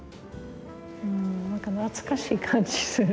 何か懐かしい感じする。